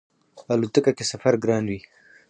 الوتکه کی سفر ګران وی